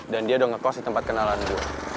dan dia udah nge post di tempat kenalan gue